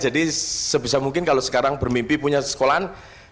jadi sebisa mungkin kalau sekarang bermimpi punya sekolahan